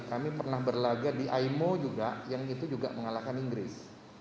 kami pernah berlaga di aimo juga yang itu juga mengalahkan inggris